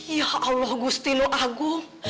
ya allah gusti lo agung